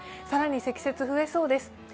更に積雪、増えそうです。